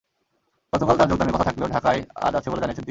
গতকাল তাঁর যোগদানের কথা থাকলেও ঢাকায় কাজ আছে বলে জানিয়েছেন তিনি।